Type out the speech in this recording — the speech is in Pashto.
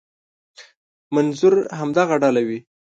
منظور همدغه ډله وي.